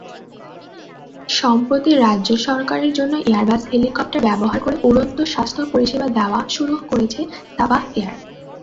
সম্প্রতি রাজ্য সরকারের জন্য এয়ারবাস হেলিকপ্টার ব্যবহার করে উড়ন্ত স্বাস্থ্য পরিষেবা দেওয়া শুরু করেছে সাবাহ এয়ার।